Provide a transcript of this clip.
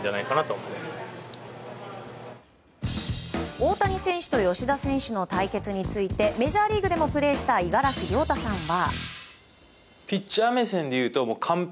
大谷選手と吉田選手の対決についてメジャーリーグでもプレーした五十嵐亮太さんは。